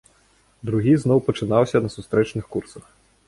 Другі зноў пачынаўся на сустрэчных курсах.